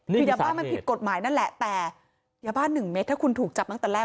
คือยาบ้ามันผิดกฎหมายนั่นแหละแต่ยาบ้า๑เมตรถ้าคุณถูกจับตั้งแต่แรก